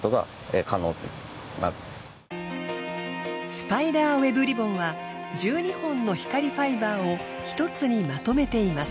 スパイダーウェブリボンは１２本の光ファイバーをひとつにまとめています。